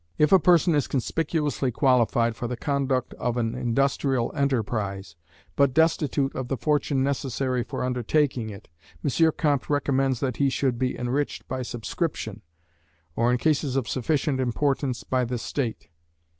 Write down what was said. If a person is conspicuously qualified for the conduct of an industrial enterprise, but destitute of the fortune necessary for undertaking it, M. Comte recommends that he should be enriched by subscription, or, in cases of sufficient importance, by the State.